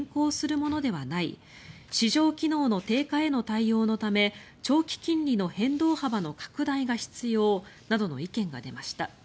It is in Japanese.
ものではない市場機能の低下への対応のため長期金利の変動幅の拡大が必要などの意見が出ました。